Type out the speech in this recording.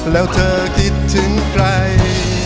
แล้วเธอคิดถึงใคร